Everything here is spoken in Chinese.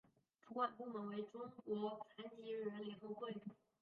主管部门为中国残疾人联合会。